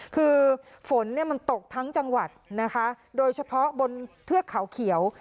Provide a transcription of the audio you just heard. คือฝนเนี่ยมันตกทั้งจังหวัดนะคะโดยเฉพาะบนเทือกเขาเขียว